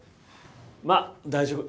まっ大丈夫。